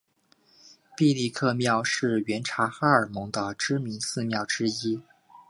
毕力克庙是原察哈尔盟的知名寺庙之一。